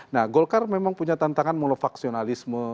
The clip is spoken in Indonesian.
nah golkar memang punya tantangan monofaksionalisme